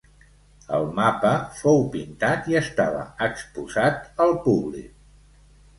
El mapa fou pintat i estava exposat al públic.